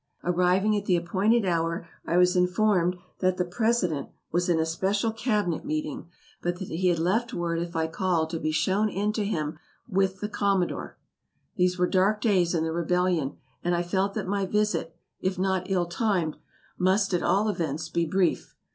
Arriving at the appointed hour I was informed that the President was in a special cabinet meeting, but that he had left word if I called to be shown in to him with the Commodore. These were dark days in the rebellion and I felt that my visit, if not ill timed, must at all events be brief.